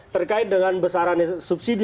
terkait dengan besaran subsidi